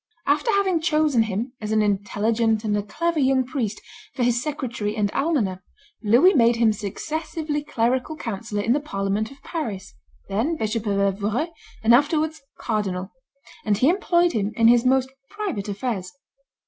After having chosen him, as an intelligent and a clever young priest, for his secretary and almoner, Louis made him successively clerical councillor in the parliament of Paris, then Bishop of Evreux, and afterwards cardinal; and he employed him in his most private affairs.